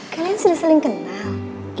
kalian sudah saling kenal